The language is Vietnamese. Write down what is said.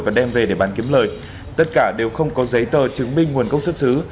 và đem về để bán kiếm lời tất cả đều không có giấy tờ chứng minh nguồn gốc xuất xứ